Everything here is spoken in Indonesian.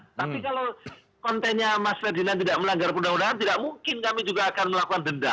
tapi kalau kontennya mas ferdinand tidak melanggar perundang undangan tidak mungkin kami juga akan melakukan denda